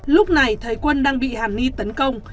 lúc này thấy quân đang bị hàn ni tấn công